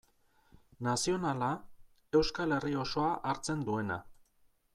Nazionala, Euskal Herri osoa hartzen duena.